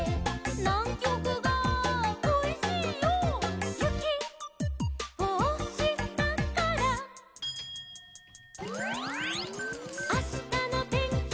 「『ナンキョクがこいしいよ』」「ゆきをおしたから」「あしたのてんきは」